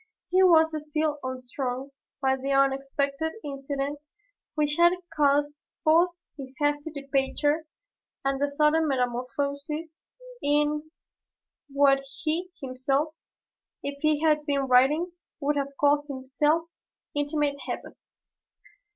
He was still unstrung by the unexpected incident which had caused both his hasty departure and the sudden metamorphosis in what he himself, if he had been writing, would have called his "intimate heaven."